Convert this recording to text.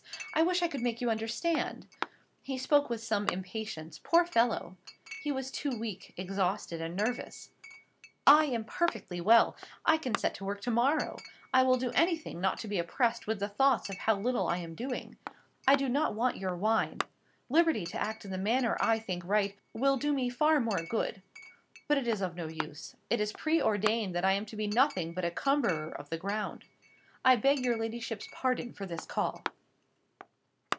I wish I could make you understand." He spoke with some impatience; Poor fellow! he was too weak, exhausted, and nervous. "I am perfectly well; I can set to work to morrow; I will do anything not to be oppressed with the thought of how little I am doing. I do not want your wine. Liberty to act in the manner I think right, will do me far more good. But it is of no use. It is preordained that I am to be nothing but a cumberer of the ground. I beg your ladyship's pardon for this call."